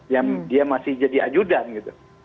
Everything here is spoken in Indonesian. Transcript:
yang dia masih jadi ajudan gitu